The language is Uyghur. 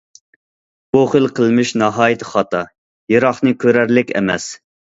بۇ خىل قىلمىش ناھايىتى خاتا، يىراقنى كۆرەرلىك ئەمەس.